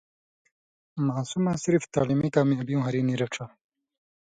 ماسمہ صرف تعلیمی کامیابیُوں ہریۡ نی رڇھہۡ